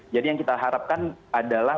jadi yang kita harapkan adalah